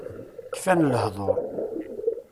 Kfan lehdur.